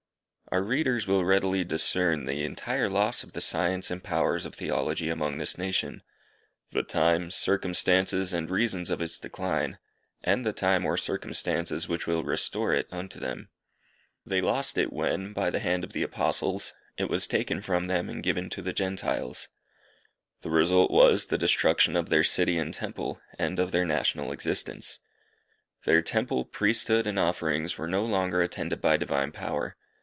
Our readers will readily discern the entire loss of the science and powers of Theology among this nation; the time, circumstances, and reasons of its decline; and the time or circumstances which will restore it unto them. They lost it when, by the hand of the Apostles, it was taken from them and given to the Gentiles. The result was, the destruction of their city and temple, and of their national existence. Their temple, priesthood, and offerings were no longer attended by divine power.